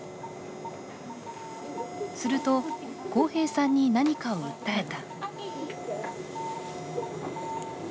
すると、航平さんに何かを訴えた。